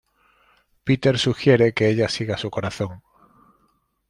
Peter sugiere que ella siga su corazón.